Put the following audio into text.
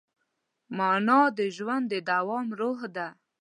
مانا د ژوند د دوام روح ده.